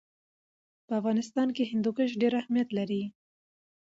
په افغانستان کې هندوکش ډېر اهمیت لري.